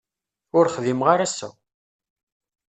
Ur xdimeɣ ara ass-a.